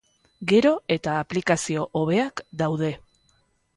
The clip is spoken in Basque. Gero eta aplikazio hobeak daude.